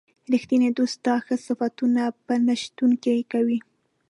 ریښتینی دوست ستا ښه صفتونه په نه شتون کې کوي.